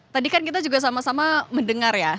tadi kan kita juga sama sama mendengar ya